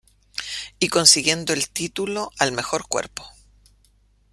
Y consiguiendo el título al mejor cuerpo.